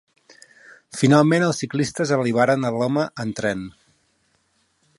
Finalment els ciclistes arribaren a Roma en tren.